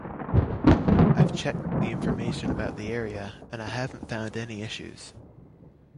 I’ve checked the information about the area, and I haven’t found any issues.